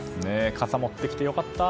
傘を持ってきて良かった。